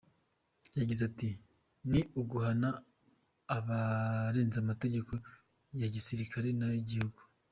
Yagize ati ”Ni uguhana abarenze amategeko ya gisirikare n'ayo igihugu.